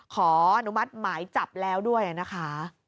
ขออนุมัติหมายจับแล้วด้วยนะคะ